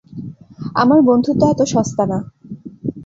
আমার বন্ধুত্ব এত সস্তা না।